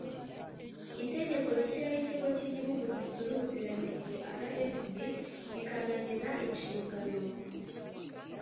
itegeko rishyiraho ikigo cy igihugu gitsura ubuziranenge rsb rikanagena inshingano